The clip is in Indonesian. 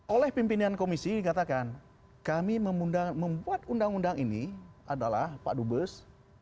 oleh pimpinan komisi dikatakan kami membuat undang undang ini adalah pak dubes